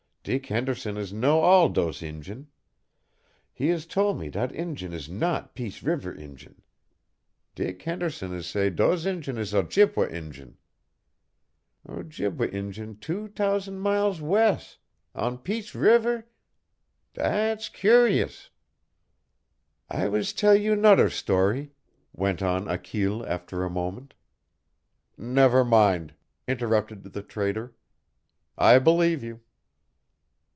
Dick Henderson is know all dose Injun. He is tole me dat Injun is not Peace Reever Injun. Dick Henderson is say dose Injun is Ojibway Injun Ojibway Injun two t'ousand mile wes' on Peace Reever! Dat's curi's!" "I was tell you nodder story " went on Achille, after a moment. "Never mind," interrupted the Trader. "I believe you."